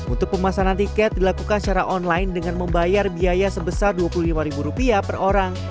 untuk pemasanan tiket dilakukan secara online dengan membayar biaya sebesar dua puluh lima per orang